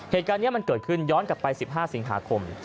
เหตุการณ์นี้มันเกิดขึ้นย้อนกลับไป๑๕สิงหาคม